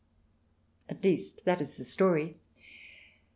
At least, that is the story.